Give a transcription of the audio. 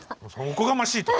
おこがましいと。